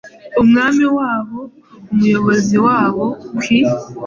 Umwami wabo, Umuyobozi wabo, kwii